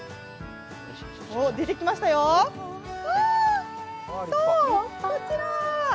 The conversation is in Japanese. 出てきましたよ、こちら。